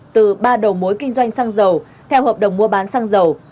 từ ba đầu mối kinh doanh xăng dầu theo hợp đồng mua bán xăng dầu